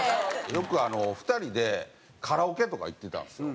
よく２人でカラオケとか行ってたんですよ。